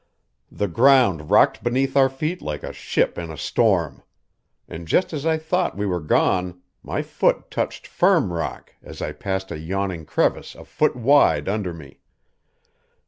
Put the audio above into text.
The ground rocked beneath our feet like a ship in a storm; and, just as I thought we were gone, my foot touched firm rock as I passed a yawning crevice a foot wide under me.